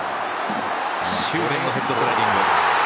執念のヘッドスライディング。